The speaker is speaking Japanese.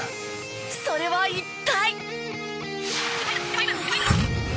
それは一体。